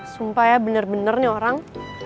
sumpah ya bener benernya orang